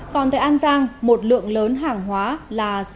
còn tại an giang một lượng lớn hàng hóa trên đã được xử lý